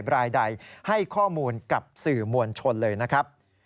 รายใดให้ข้อมูลกับสื่อมวลชนเลยนะครับ